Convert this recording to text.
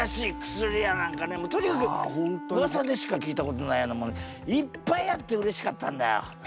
あととにかくうわさでしか聞いたことないようなものいっぱいあってうれしかったんだよ。